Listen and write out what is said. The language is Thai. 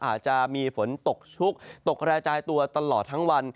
อาจจะมีฝนตกชุกตกระจายตัวตลอดทั้งวัน